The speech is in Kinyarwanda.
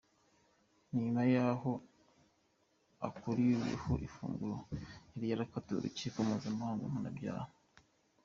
Ni nyuma yaho akuriweho igifungo yari yakatiwe n’urukiko mpuzamahanga mpanabyaha.